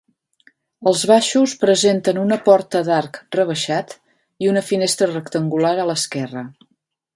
Els baixos presenten una porta d'arc rebaixat i una finestra rectangular a l'esquerra.